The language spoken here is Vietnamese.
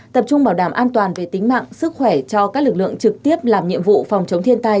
tập trung bảo đảm an toàn về tính mạng sức khỏe cho các lực lượng trực tiếp làm nhiệm vụ phòng chống thiên tai